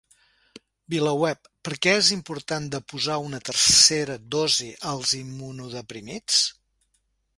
VilaWeb: Per què és important de posar una tercera dosi als immunodeprimits?